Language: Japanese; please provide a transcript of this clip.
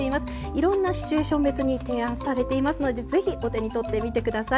いろんなシチュエーション別に提案されていますので是非お手に取ってみてください。